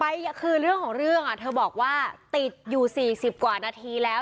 คือเรื่องของเรื่องเธอบอกว่าติดอยู่๔๐กว่านาทีแล้ว